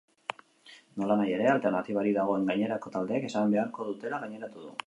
Nolanahi ere, alternatibarik dagoen gainerako taldeek esan beharko dutela gaineratu du.